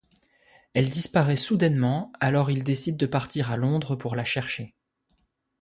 Elle disparaît soudainement alors il décide de partir à Londres pour la chercher.